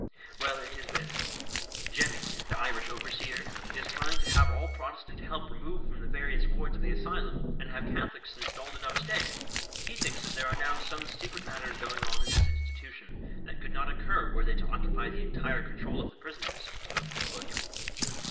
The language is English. " Well, it is this : Jemmy, the Irish overseer, is trying to have all Protestant help removed from the various wards of the Asylum, and have Catholics installed in our stead ! He thinks that there are now some secret matters going on in this institution, tliat could not occur were they to occupy the entire control of the prisoners," said William.